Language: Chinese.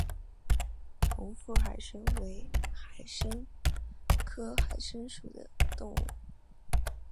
红腹海参为海参科海参属的动物。